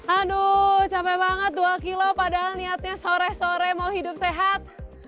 aduh capek banget dua kilo padahal niatnya sore sore mau hidup sehat